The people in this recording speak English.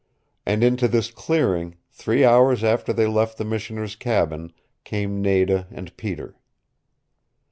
And into this clearing, three hours after they left the Missioner's cabin, came Nada and Peter.